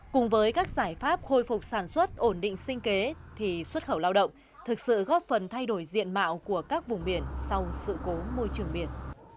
cùng với các giải pháp khôi phục sản xuất ổn định sinh kế thì xuất khẩu lao động thực sự góp phần thay đổi diện mạo của các vùng biển sau sự cố môi trường biển